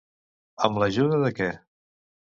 Amb l'ajuda de què?